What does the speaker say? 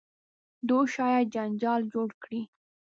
دوی شاید جنجال جوړ کړي.